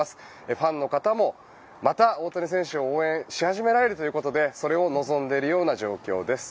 ファンの方もまた大谷選手を応援し始められるということでそれを望んでいるような状況です。